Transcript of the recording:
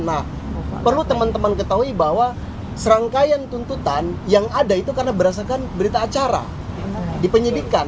nah perlu teman teman ketahui bahwa serangkaian tuntutan yang ada itu karena berdasarkan berita acara di penyidikan